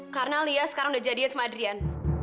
karena lia sekarang udah jadian sama adrian